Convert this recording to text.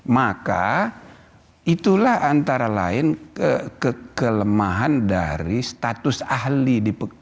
maka itulah antara lain kekelemahan dari status ahli